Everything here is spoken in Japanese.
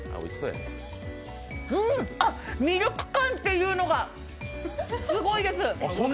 うーん！あっ、ミルク感っていうのがすごいです！